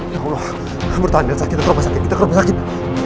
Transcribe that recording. ya allah bertahan elsa kita terlupa sakit kita terlupa sakit